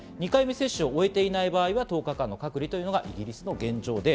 ２回目接種を終えていない場合は、１０日間の隔離がイギリスの現状。